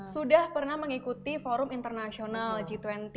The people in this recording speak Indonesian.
sudah pernah mengikuti forum internasional g dua puluh